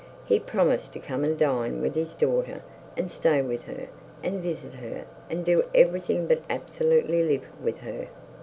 He promised to come and dine with his daughter, and stay with her, and visit her, and do everything but absolutely live with her.